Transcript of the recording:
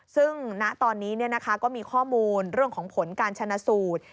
ซึ่งณตอนนี้ก็มีข้อมูลเรื่องของผลการชนะสูตร